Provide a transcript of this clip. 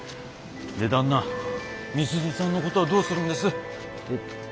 で旦那美鈴さんのことはどうするんです？